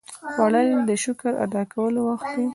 خوړل د شکر ادا کولو وخت دی